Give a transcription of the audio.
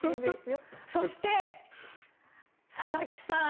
そして、佐々木さん。